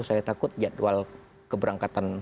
saya takut jadwal keberangkatan